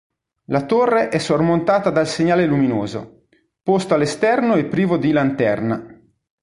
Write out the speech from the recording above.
La torre è sormontata dal segnale luminoso, posto all'esterno e privo di "lanterna".